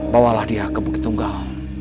bawalah dia ke bukit tunggal